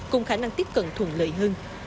cùng khả năng tiếp cận thuận lợi hơn